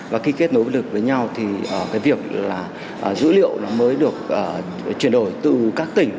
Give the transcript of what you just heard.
và khi kết nối lực với nhau thì cái việc là dữ liệu nó mới được chuyển đổi từ các tỉnh